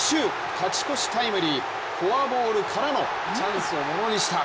勝ち越しタイムリーフォアボールからのチャンスをものにした。